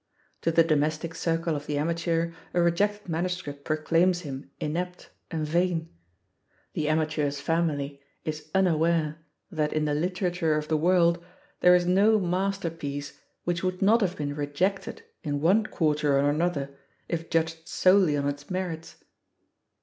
To the domestic circle of the amateur a rejected manuscript proclaims him inept and vain. The amateur's family is unaware that in the literature of the world there is no masterpiece which would not have been rejected in one quarter or another if judged solely on its merits.